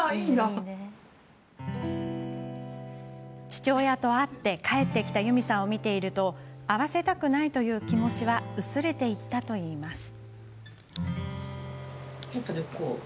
父親と会って帰ってきたユミさんを見ていると会わせたくないという気持ちは薄れていったといいます。